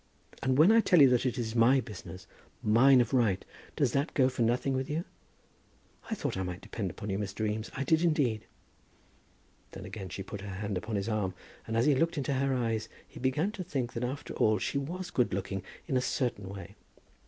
And when I tell you that it is my business, mine of right, does that go for nothing with you? I thought I might depend upon you, Mr. Eames; I did indeed." Then again she put her hand upon his arm, and as he looked into her eyes he began to think that after all she was good looking in a certain way.